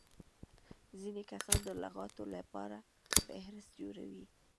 ځيني کسان د لغاتو له پاره فهرست جوړوي.